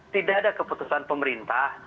tidak ada keputusan pemerintah